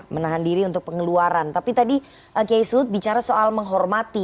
menahan diri untuk pengeluaran tapi tadi kiai sud bicara soal menghormati